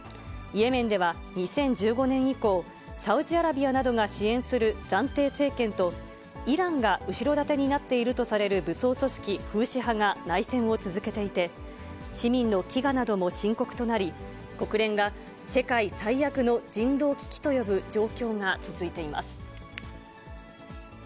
イエメンでは２０１５年以降、サウジアラビアなどが支援する暫定政権と、イランが後ろ盾になっているとされる武装組織フーシ派が内戦を続けていて、市民の飢餓なども深刻となり、国連が世界最悪の人道危機と呼ぶ状況が続いています。